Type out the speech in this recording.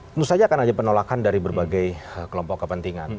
tentu saja akan ada penolakan dari berbagai kelompok kepentingan